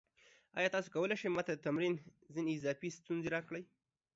ایا تاسو کولی شئ ما ته د تمرین ځینې اضافي ستونزې راکړئ؟